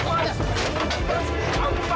kalau begitu apa